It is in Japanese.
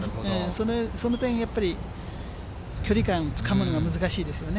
その点やっぱり、距離感つかむのが難しいですよね。